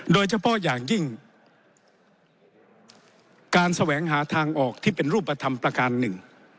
โดยเฉพาะอย่างยิ่งการแสวงหาทางออกที่เป็นรูปธรรมประการหนึ่ง